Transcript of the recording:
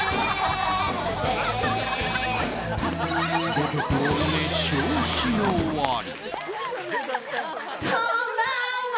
５曲を熱唱し終わり。